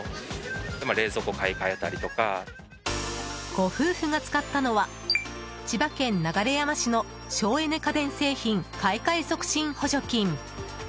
ご夫婦が使ったのは千葉県流山市の省エネ家電製品買い替え促進補助金。